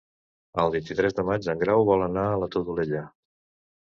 El vint-i-tres de maig en Grau vol anar a la Todolella.